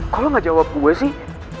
kalau lo gak jawab gue sih